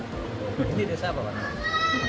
ini di desa apa pak